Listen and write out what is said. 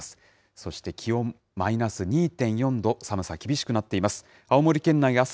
そして気温、マイナス２．４度、寒さ厳しくなっています。